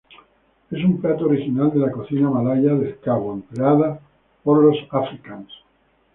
Es un plato original de la cocina malaya del Cabo, empleado por los Afrikaans.